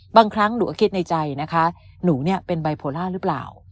บางครั้งหนูก็คิดในใจนะคะหนูเนี่ยเป็นไบโพล่าหรือเปล่า